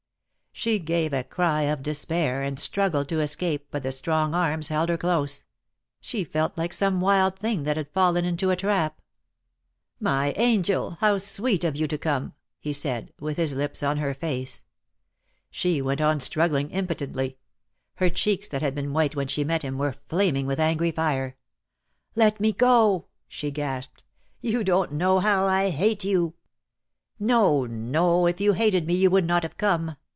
She gave a cry of despair, and struggled to escape, but the strong arms held her close. She felt like some wild thing that had fallen into a trap, "My angel, how sweet of you to come," he said, with his lips on her face. She went on struggling impotently. Her cheeks, that had been white when she met him, were flam ing with angry fire. "Let me go," she gasped. "You don't know how I hate you." "No, no, if you hated me you would not have come.